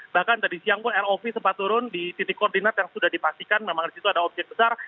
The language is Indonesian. bahkan tadi siang pun rov sempat turun di titik koordinat yang sudah dipastikan memang di situ ada objek besar